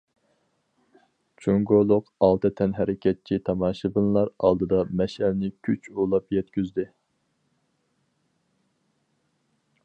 جۇڭگولۇق ئالتە تەنھەرىكەتچى تاماشىبىنلار ئالدىدا مەشئەلنى كۈچ ئۇلاپ يەتكۈزدى.